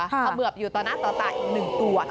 เขมือบอยู่ต่อหน้าต่อตาอีก๑ตัว